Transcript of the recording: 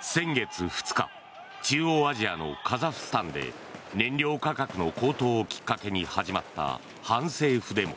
先月２日中央アジアのカザフスタンで燃料価格の高騰をきっかけに始まった反政府デモ。